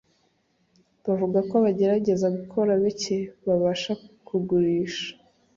Bavuga ko bagerageza gukora bike babasha kugurisha